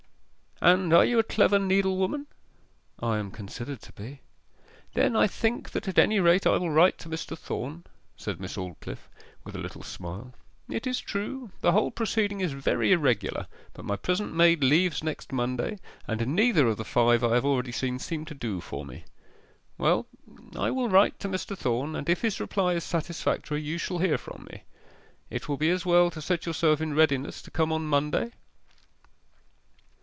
'And are you a clever needlewoman?' 'I am considered to be.' 'Then I think that at any rate I will write to Mr. Thorn,' said Miss Aldclyffe, with a little smile. 'It is true, the whole proceeding is very irregular; but my present maid leaves next Monday, and neither of the five I have already seen seem to do for me.... Well, I will write to Mr. Thorn, and if his reply is satisfactory, you shall hear from me. It will be as well to set yourself in readiness to come on Monday.